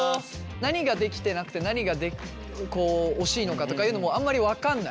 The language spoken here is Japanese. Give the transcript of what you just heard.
何ができてなくて何がこう惜しいのかとかいうのもあんまり分かんない？